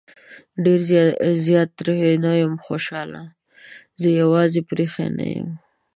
ډېر زيات ترې نه خوشحال يم زه يې يوازې پرېښی نه يم